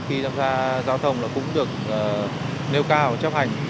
khi tham gia giao thông cũng được nêu cao chấp hành